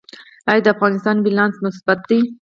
آیا د افغانستان بیلانس مثبت دی؟